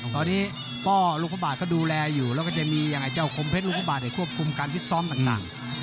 ตอนนี้ป้อลูกพระบาทก็ดูแลอยู่แล้วก็จะมีเจ้าคมเพชรลูกพระบาทได้ควบคุมการพิสร้อมต่าง